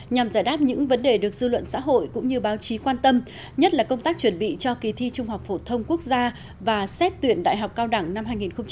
nhằm giải đáp những vấn đề được dư luận xã hội cũng như báo chí quan tâm nhất là công tác chuẩn bị cho kỳ thi trung học phổ thông quốc gia và xét tuyển đại học cao đẳng năm hai nghìn hai mươi